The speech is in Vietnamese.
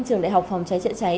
trường đại học phòng cháy chạy cháy